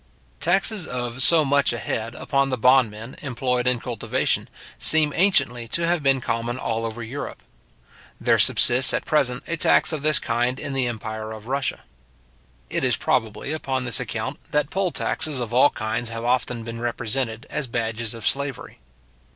Taxes of so much a head upon the bondmen employed in cultivation, seem anciently to have been common all over Europe. There subsists at present a tax of this kind in the empire of Russia. It is probably upon this account that poll taxes of all kinds have often been represented as badges of slavery.